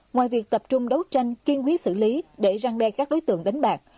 ngoài việc tập trung đấu tranh kiên quyết xử lý để răng đe các đối tượng đánh bạc